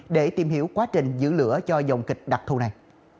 để tìm hiểu quá trình giữ lửa cho dòng kịch đặc thù này